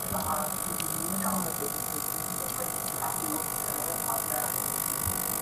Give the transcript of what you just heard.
Iyi ni yo ntwaro rutagimba mu zigiye kumara abanyarwanda